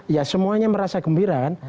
ya semuanya merasa gembira